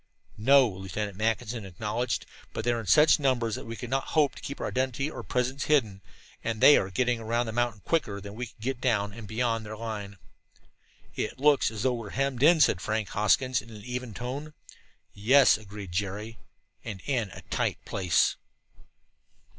"No," Lieutenant Mackinson acknowledged, "but they are in such numbers that we could not hope to keep our identity or presence hidden, and they are getting around the mountain quicker than we could get down and beyond their line." "It looks as though we were hemmed in," said Frank Hoskins in an even tone. "Yes," agreed Jerry, "and in a tight place."